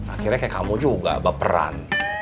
akhirnya kayak kamu juga baperan